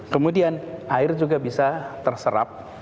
kemudian air juga bisa terserap